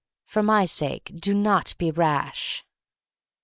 for my sake, do not be rash!"